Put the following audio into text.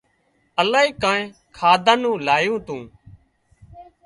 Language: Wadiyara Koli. الاهي ڪانئين کاڌا نُون لايُون تُون